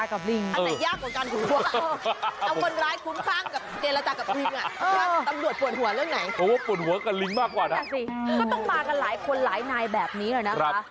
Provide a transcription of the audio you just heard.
คือหนักคุมเข้มแบบนี้เลยอะ